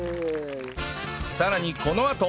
さらにこのあと